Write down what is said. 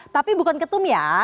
tapi bukan ketum ya